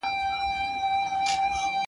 هغه میندو چي درس ویلی، ماشومان ئې روغ وي.